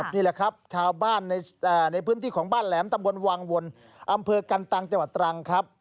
นี่แหละครับชาวบ้านในพื้นที่ของบ้านแหลมตำบลวังวนอำเภอกันตังจังหวัดตรังครับ